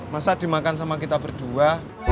masa dimakan sama kita berdua